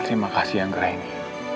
terima kasih anggra ini